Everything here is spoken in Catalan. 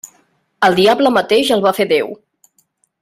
Al diable mateix el va fer Déu.